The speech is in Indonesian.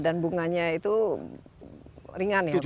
dan bunganya itu ringan ya pak